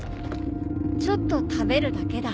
ちょっと食べるだけだ。